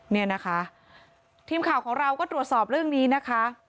เนี่ยนะคะทีมข่าวของเราก็ตรวจสอบเรื่องนี้นะคะ